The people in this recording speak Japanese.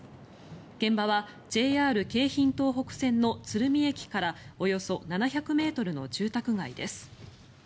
現場はＪＲ京浜東北線の鶴見駅からおよそ７００ｍの住宅街です。